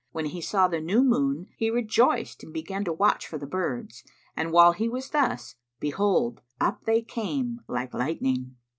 When he saw the new moon, he rejoiced and began to watch for the birds, and while he was thus, behold, up they came, like lightning.